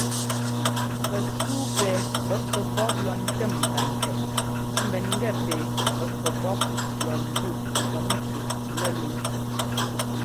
Pɛsúu pɛ pɛ́k pɛpɔ́p lɔ ńtɛ́m ŋkantsɛꞌ ḿbɛn gɛ pɛ pɛ́k pɛpɔ́p lɔ ńzúꞌ zɔpŋki nɛlúŋ.